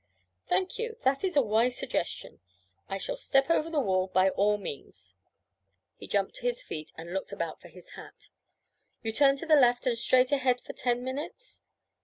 'Thank you, that is a wise suggestion; I shall step over the wall by all means.' He jumped to his feet and looked about for his hat. 'You turn to the left and straight ahead for ten minutes?